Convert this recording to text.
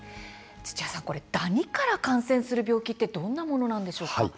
土屋さんダニから感染する病気ってどういうものなんでしょうか。